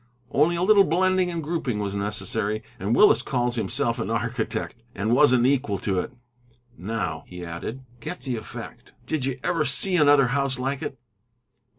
Only a little blending and grouping was necessary, and Willis calls himself an architect, and wasn't equal to it. Now," he added, "get the effect. Did you ever see another house like it?"